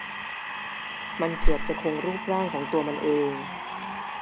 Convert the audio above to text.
มันเกือบจะคงรูปร่างของตัวมันเอง